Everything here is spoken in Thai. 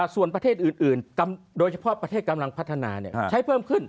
ส่วนประเทศอื่นโดยเฉพาะประเทศกำลังพัฒนาใช้เพิ่มขึ้น